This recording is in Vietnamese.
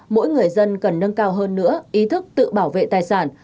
mỗi người dân cần nâng cao hơn nữa ý thức tự bảo vệ tài sản